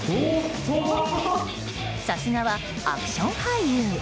さすがはアクション俳優。